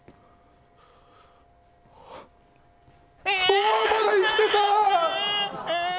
ああ、まだ生きてた！